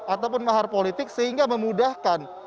ataupun mahar politik sehingga memudahkan